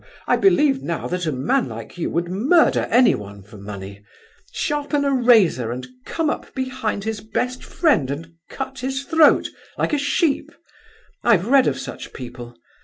I believe now that a man like you would murder anyone for money—sharpen a razor and come up behind his best friend and cut his throat like a sheep—I've read of such people.